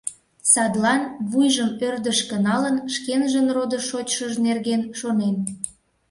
Садлан, вуйжым ӧрдыжкӧ налын, шкенжын родо-шочшыж нерген шонен.